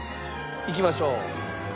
いきましょう。